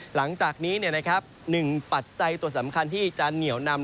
หลังจากนี้นะครับหนึ่งปัจจัยตัวสำคัญที่จะเหนียวนำ